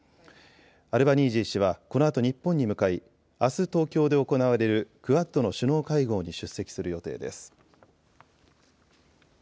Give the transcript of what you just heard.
アルバニージー氏はこのあと日本に向かい、あす東京で行われるクアッドの首脳会合に出席する予定です。